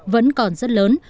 vẫn còn rất lớn